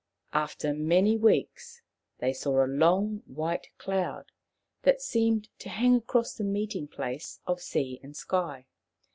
After many weeks they saw a long white cloud that seemed to hang across the meeting place of sea and sky.